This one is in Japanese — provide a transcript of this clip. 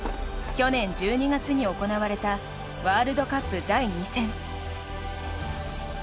去年１２月に行われたワールドカップ第２戦。